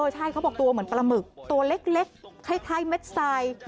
ใช่เขาบอกตัวเหมือนปลาหมึกตัวเล็กคล้ายเม็ดทราย